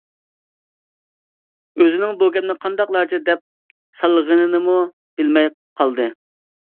ئۆزىنىڭ بۇ گەپنى قانداقلارچە دەپ سالغىنىنىمۇ بىلمەي قالدى.